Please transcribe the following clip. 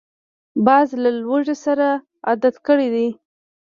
باز له لوږې سره عادت کړی دی